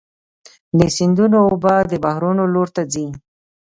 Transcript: د سیندونو اوبه د بحرونو لور ته ځي.